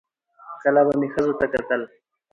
کله به مې ښځو ته کتل